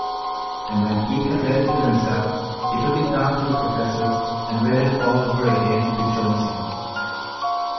And when Keith had read it himself, he took it down to the professor's, and read it all over again to Jonesy.